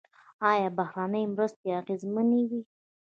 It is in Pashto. آیا بهرنۍ مرستې اغیزمنې وې؟